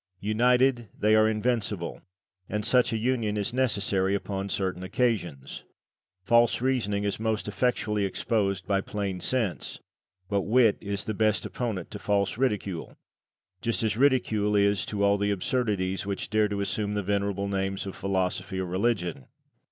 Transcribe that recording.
United they are invincible, and such a union is necessary upon certain occasions. False Reasoning is most effectually exposed by Plain Sense; but Wit is the best opponent to False Ridicule, as Just Ridicule is to all the absurdities which dare to assume the venerable names of Philosophy or Religion.